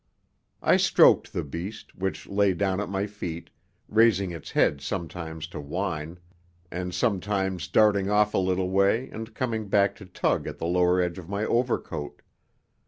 I stroked the beast, which lay down at my feet, raising its head sometimes to whine, and sometimes darting off a little way and coming back to tug at the lower edge of my overcoat.